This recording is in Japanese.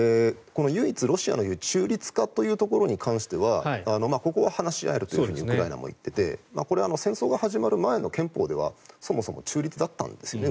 唯一、ロシアが言う中立化というところに関してはここは話し合えるとウクライナも言っていてこれは戦争が始まる前の憲法ではそもそも中立だったんです。